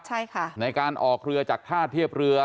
ใช่ค่ะในการออกเรือจากท่าเทียบเรือ